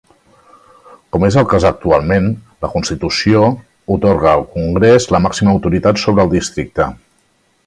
Com és el cas actualment, la Constitució atorga al Congrés la màxima autoritat sobre el districte.